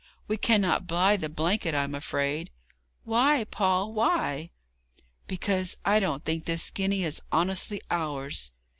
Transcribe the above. We cannot buy the blanket, I'm afraid.' 'Why Paul, why?' 'Because I don't think this guinea is honestly ours.'